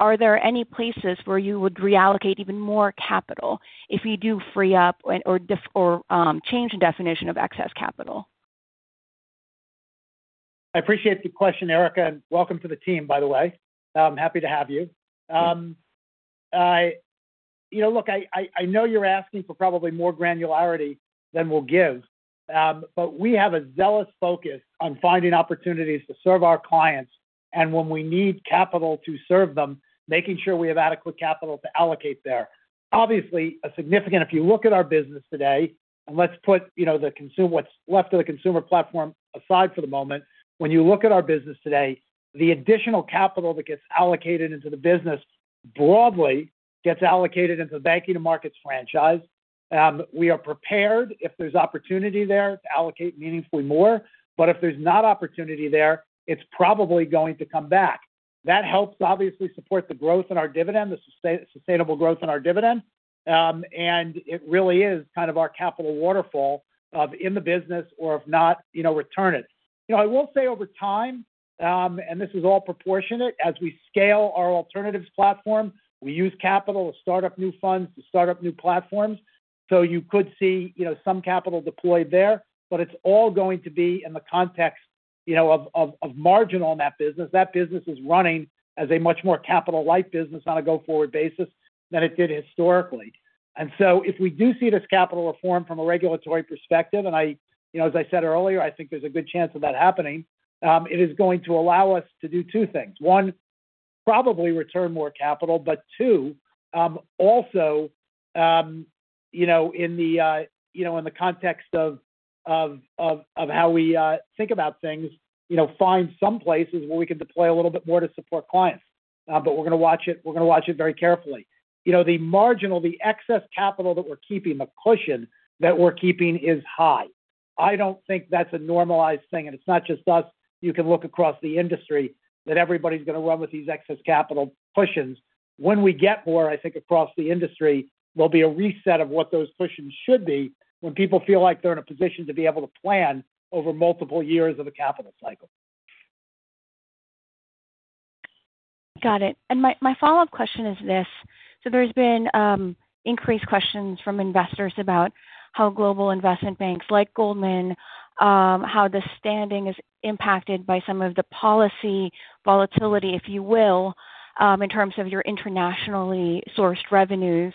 are there any places where you would reallocate even more capital if you do free up or change the definition of excess capital? I appreciate the question, Erika, and welcome to the team, by the way. I'm happy to have you. Look, I know you're asking for probably more granularity than we'll give, but we have a zealous focus on finding opportunities to serve our clients and when we need capital to serve them, making sure we have adequate capital to allocate there. Obviously, a significant—if you look at our business today, and let's put what's left of the consumer platform aside for the moment, when you look at our business today, the additional capital that gets allocated into the business broadly gets allocated into the banking and markets franchise. We are prepared, if there's opportunity there, to allocate meaningfully more. If there's not opportunity there, it's probably going to come back. That helps, obviously, support the growth in our dividend, the sustainable growth in our dividend. It really is kind of our capital waterfall of, in the business, or if not, return it. I will say over time, and this is all proportionate, as we scale our alternatives platform, we use capital to start up new funds, to start up new platforms. You could see some capital deployed there, but it's all going to be in the context of margin on that business. That business is running as a much more capital-light business on a go-forward basis than it did historically. If we do see this capital reform from a regulatory perspective, and as I said earlier, I think there's a good chance of that happening, it is going to allow us to do two things. One, probably return more capital, but two, also in the context of how we think about things, find some places where we can deploy a little bit more to support clients. We are going to watch it. We are going to watch it very carefully. The marginal, the excess capital that we are keeping, the cushion that we are keeping is high. I do not think that is a normalized thing. It is not just us. You can look across the industry that everybody is going to run with these excess capital cushions. When we get more, I think across the industry, there will be a reset of what those cushions should be when people feel like they are in a position to be able to plan over multiple years of a capital cycle. Got it. My follow-up question is this. There have been increased questions from investors about how global investment banks like Goldman, how the standing is impacted by some of the policy volatility, if you will, in terms of your internationally sourced revenues.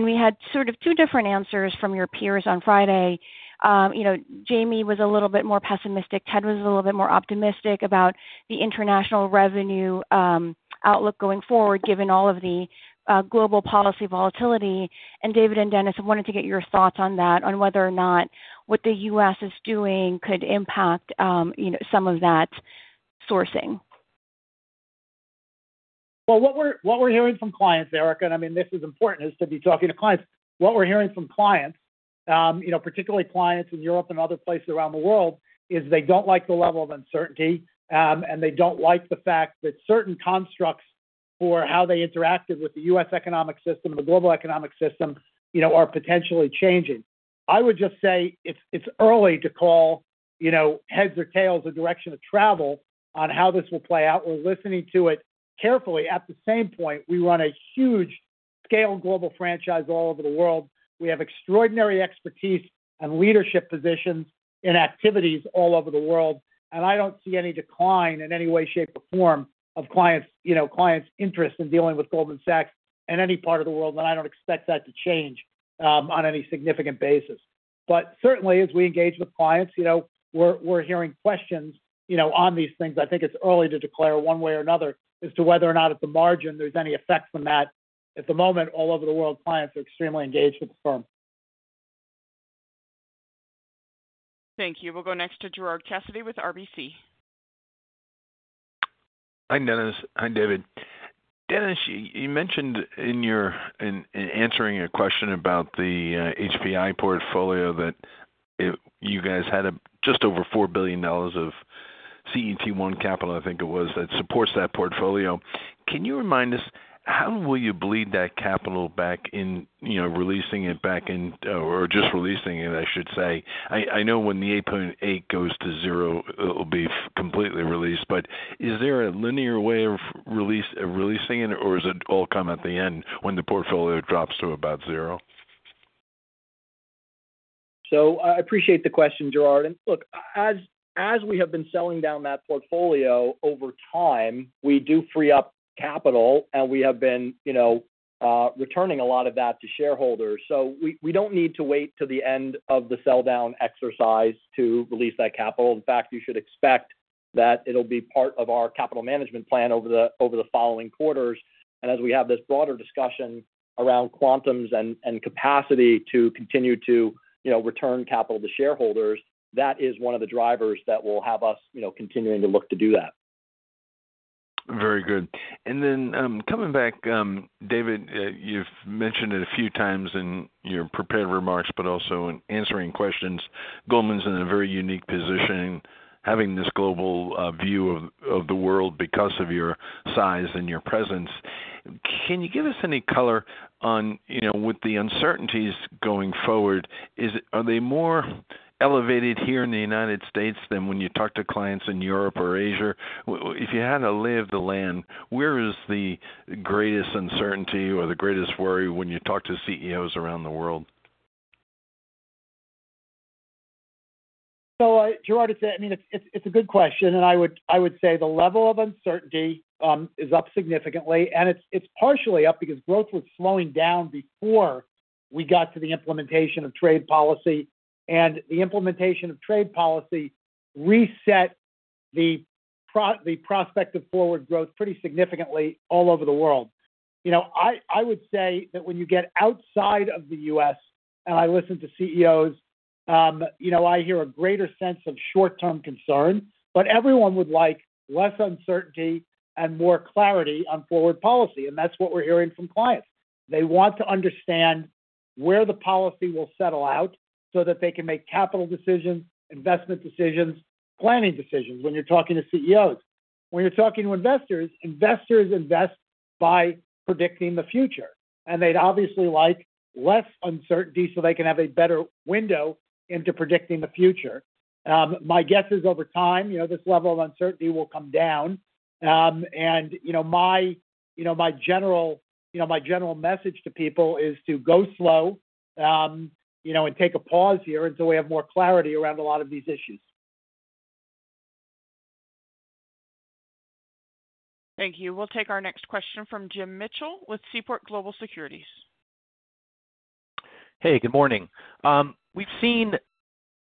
We had sort of two different answers from your peers on Friday. Jamie was a little bit more pessimistic. Ted was a little bit more optimistic about the international revenue outlook going forward, given all of the global policy volatility. David and Dennis, I wanted to get your thoughts on that, on whether or not what the U.S. is doing could impact some of that sourcing. What we're hearing from clients, Erika, and I mean, this is important as to be talking to clients. What we're hearing from clients, particularly clients in Europe and other places around the world, is they don't like the level of uncertainty, and they don't like the fact that certain constructs for how they interacted with the U.S. economic system and the global economic system are potentially changing. I would just say it's early to call heads or tails a direction of travel on how this will play out. We're listening to it carefully. At the same point, we run a huge scale global franchise all over the world. We have extraordinary expertise and leadership positions in activities all over the world. I don't see any decline in any way, shape, or form of clients' interest in dealing with Goldman Sachs in any part of the world. I do not expect that to change on any significant basis. Certainly, as we engage with clients, we're hearing questions on these things. I think it's early to declare one way or another as to whether or not at the margin there's any effect from that. At the moment, all over the world, clients are extremely engaged with the firm. Thank you. We'll go next to Gerard Cassidy with RBC. Hi, Dennis. Hi, David. Dennis, you mentioned in answering your question about the HPI portfolio that you guys had just over $4 billion of CET1 capital, I think it was, that supports that portfolio. Can you remind us how will you bleed that capital back in, releasing it back in, or just releasing it, I should say? I know when the 8.8 goes to zero, it'll be completely released. Is there a linear way of releasing it, or does it all come at the end when the portfolio drops to about zero? I appreciate the question, Gerard. Look, as we have been selling down that portfolio over time, we do free up capital, and we have been returning a lot of that to shareholders. We do not need to wait to the end of the sell-down exercise to release that capital. In fact, you should expect that it will be part of our capital management plan over the following quarters. As we have this broader discussion around quantums and capacity to continue to return capital to shareholders, that is one of the drivers that will have us continuing to look to do that. Very good. Then coming back, David, you've mentioned it a few times in your prepared remarks, but also in answering questions, Goldman's in a very unique position having this global view of the world because of your size and your presence. Can you give us any color on with the uncertainties going forward, are they more elevated here in the United States than when you talk to clients in Europe or Asia? If you had to lay of the land, where is the greatest uncertainty or the greatest worry when you talk to CEOs around the world? Gerard is saying, I mean, it's a good question. I would say the level of uncertainty is up significantly. It's partially up because growth was slowing down before we got to the implementation of trade policy. The implementation of trade policy reset the prospect of forward growth pretty significantly all over the world. I would say that when you get outside of the U.S., and I listen to CEOs, I hear a greater sense of short-term concern. Everyone would like less uncertainty and more clarity on forward policy. That's what we're hearing from clients. They want to understand where the policy will settle out so that they can make capital decisions, investment decisions, planning decisions when you're talking to CEOs. When you're talking to investors, investors invest by predicting the future. They'd obviously like less uncertainty so they can have a better window into predicting the future. My guess is over time, this level of uncertainty will come down. My general message to people is to go slow and take a pause here until we have more clarity around a lot of these issues. Thank you. We'll take our next question from Jim Mitchell with Seaport Global Securities. Hey, good morning. We've seen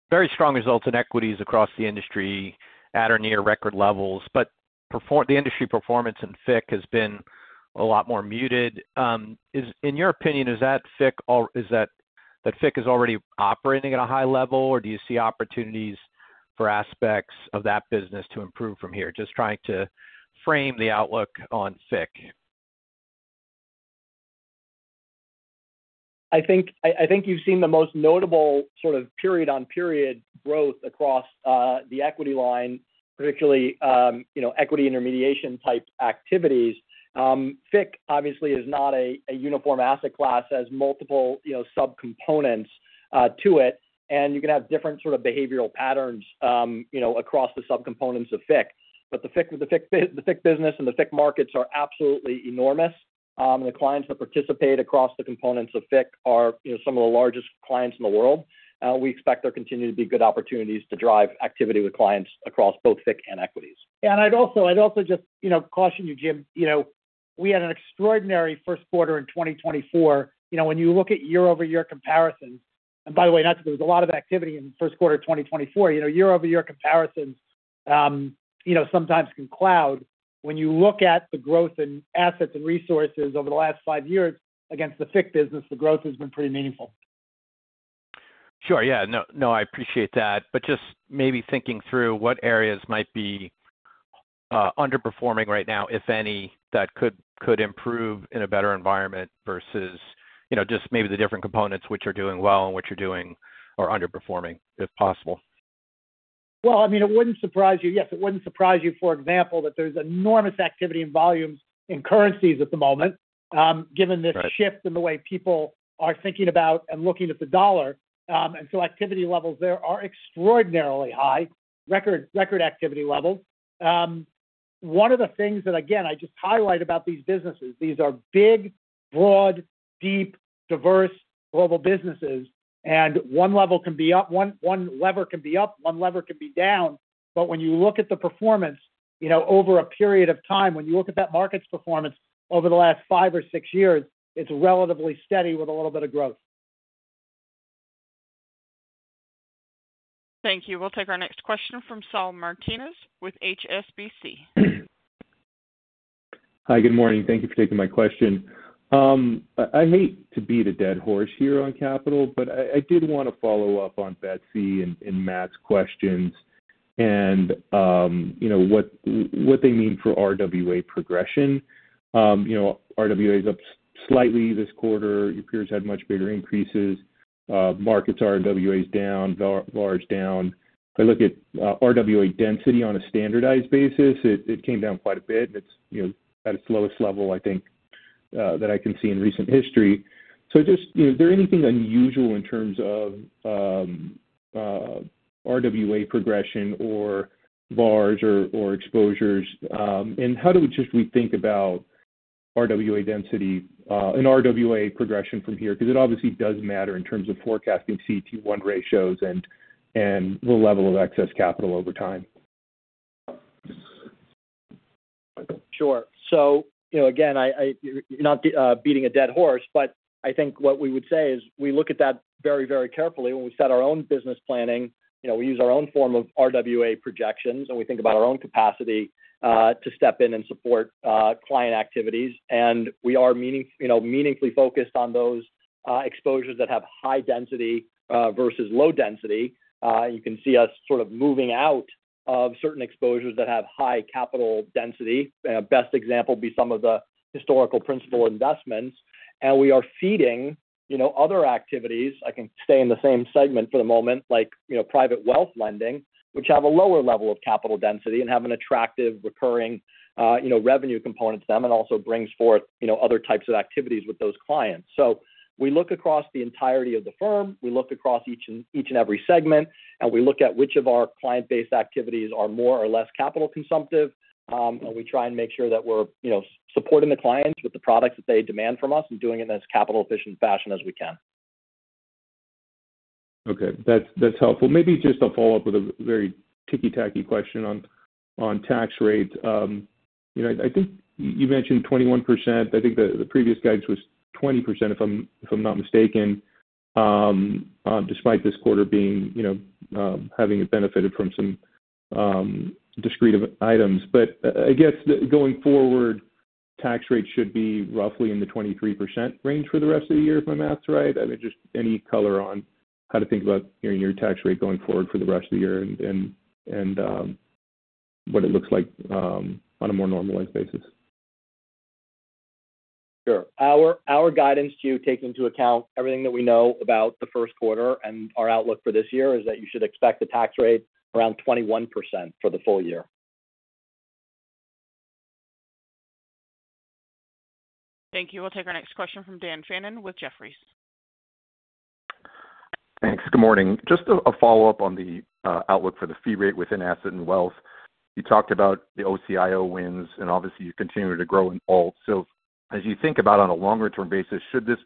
very strong results in equities across the industry at or near record levels, but the industry performance in FIC has been a lot more muted. In your opinion, is that FIC is already operating at a high level, or do you see opportunities for aspects of that business to improve from here? Just trying to frame the outlook on FIC. I think you've seen the most notable sort of period-on-period growth across the equity line, particularly equity intermediation-type activities. FIC, obviously, is not a uniform asset class. It has multiple subcomponents to it. You can have different sort of behavioral patterns across the subcomponents of FIC. The FIC business and the FIC markets are absolutely enormous. The clients that participate across the components of FIC are some of the largest clients in the world. We expect there continue to be good opportunities to drive activity with clients across both FIC and equities. Yeah, and I'd also just caution you, Jim, we had an extraordinary first quarter in 2024. When you look at year-over-year comparisons, and by the way, not to lose a lot of activity in the first quarter of 2024, year-over-year comparisons sometimes can cloud. When you look at the growth in assets and resources over the last five years against the FICC business, the growth has been pretty meaningful. Sure. Yeah. No, I appreciate that. Just maybe thinking through what areas might be underperforming right now, if any, that could improve in a better environment versus just maybe the different components which are doing well and which are doing or underperforming, if possible. I mean, it wouldn't surprise you. Yes, it wouldn't surprise you, for example, that there's enormous activity in volumes in currencies at the moment, given this shift in the way people are thinking about and looking at the dollar. Activity levels there are extraordinarily high, record activity levels. One of the things that, again, I just highlight about these businesses, these are big, broad, deep, diverse global businesses. One lever can be up, one lever can be down. When you look at the performance over a period of time, when you look at that market's performance over the last five or six years, it's relatively steady with a little bit of growth. Thank you. We'll take our next question from Saul Martinez with HSBC. Hi, good morning. Thank you for taking my question. I hate to beat a dead horse here on capital, but I did want to follow up on Betsy and Matt's questions and what they mean for RWA progression. RWA is up slightly this quarter. Your peers had much bigger increases. Markets are RWAs down, VARs down. I look at RWA density on a standardized basis. It came down quite a bit, and it's at its lowest level, I think, that I can see in recent history. Is there anything unusual in terms of RWA progression or VARs or exposures? How do we just rethink about RWA density and RWA progression from here? It obviously does matter in terms of forecasting CET1 ratios and the level of excess capital over time. Sure. Not beating a dead horse, but I think what we would say is we look at that very, very carefully when we set our own business planning. We use our own form of RWA projections, and we think about our own capacity to step in and support client activities. We are meaningfully focused on those exposures that have high density versus low density. You can see us sort of moving out of certain exposures that have high capital density. Best example would be some of the historical principal investments. We are feeding other activities. I can stay in the same segment for the moment, like private wealth lending, which have a lower level of capital density and have an attractive recurring revenue component to them and also brings forth other types of activities with those clients. We look across the entirety of the firm. We look across each and every segment, and we look at which of our client-based activities are more or less capital consumptive. We try and make sure that we're supporting the clients with the products that they demand from us and doing it in as capital-efficient fashion as we can. Okay. That's helpful. Maybe just a follow-up with a very ticky-tacky question on tax rates. I think you mentioned 21%. I think the previous guidance was 20%, if I'm not mistaken, despite this quarter having benefited from some discrete items. I guess going forward, tax rates should be roughly in the 23% range for the rest of the year, if my math's right. I mean, just any color on how to think about your tax rate going forward for the rest of the year and what it looks like on a more normalized basis. Sure. Our guidance, too, taking into account everything that we know about the first quarter and our outlook for this year, is that you should expect the tax rate around 21% for the full year. Thank you. We'll take our next question from Dan Fannin with Jefferies. Thanks. Good morning. Just a follow-up on the outlook for the fee rate within asset and wealth. You talked about the OCIO wins and obviously you continue to grow in all. As you think about on a longer-term basis, should this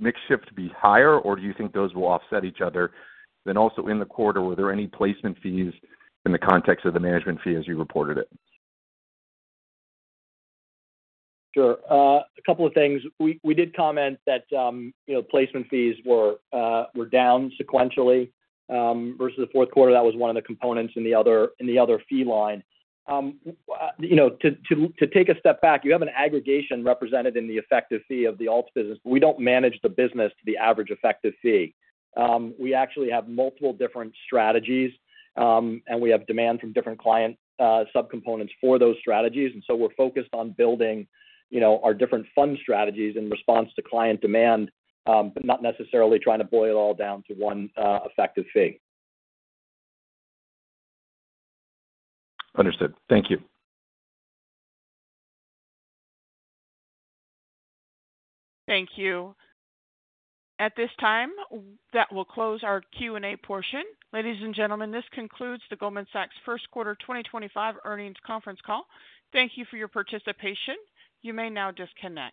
mix shift be higher, or do you think those will offset each other? Also, in the quarter, were there any placement fees in the context of the management fee as you reported it? Sure. A couple of things. We did comment that placement fees were down sequentially versus the fourth quarter. That was one of the components in the other fee line. To take a step back, you have an aggregation represented in the effective fee of the alts business. We do not manage the business to the average effective fee. We actually have multiple different strategies, and we have demand from different client subcomponents for those strategies. We are focused on building our different fund strategies in response to client demand, but not necessarily trying to boil it all down to one effective fee. Understood. Thank you. Thank you. At this time, that will close our Q&A portion. Ladies and gentlemen, this concludes the Goldman Sachs First Quarter 2025 Earnings Conference Call. Thank you for your participation. You may now disconnect.